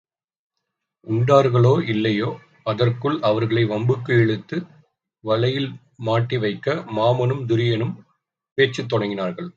உண்டார்களோ இல்லையோ அதற்குள் அவர்களை வம்புக்கு இழுத்து வலையில் மாட்டிவைக்க மாமனும் துரியனும் பேச்சுத் தொடங்கினார்கள்.